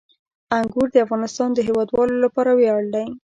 انګور د افغانستان د هیوادوالو لپاره ویاړ دی.